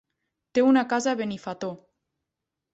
Té una casa a Benifato.